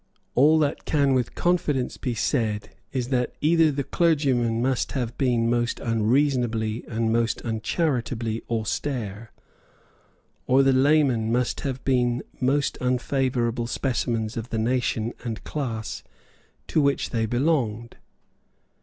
All that can with confidence be said is that either the clergymen must have been most unreasonably and most uncharitably austere, or the laymen must have been most unfavourable specimens of the nation and class to which they belonged.